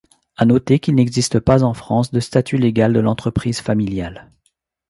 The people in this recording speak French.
À noter qu'il n'existe pas en France de statut légal de l'entreprise familiale.